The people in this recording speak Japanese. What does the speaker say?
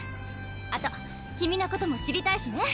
あと君のことも知りたいしね！